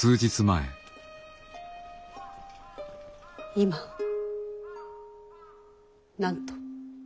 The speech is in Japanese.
今何と？